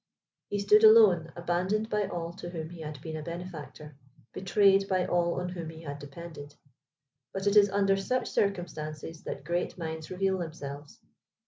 He stood alone, abandoned by all to whom he had been a benefactor, betrayed by all on whom he had depended. But it is under such circumstances that great minds reveal themselves.